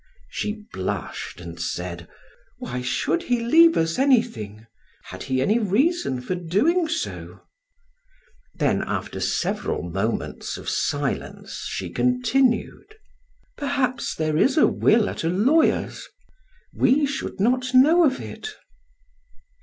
She blushed and said: "Why should he leave us anything? Had he any reason for doing so?" Then after several moments of silence, she continued: "Perhaps there is a will at a lawyer's; we should not know of it."